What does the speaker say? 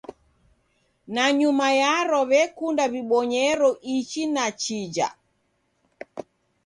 Nanyuma yaro w'ekunda w'ibonyero ichi na chija.